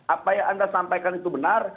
apa yang anda sampaikan itu benar